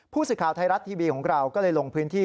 ผู้สื่อข่าวไทยรัฐทีวีของเราก็เลยลงพื้นที่